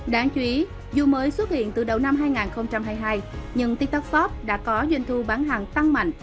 đáng chú ý dù mới xuất hiện từ đầu năm hai nghìn hai mươi hai nhưng tic tac shop đã có doanh thu bán hàng tăng mạnh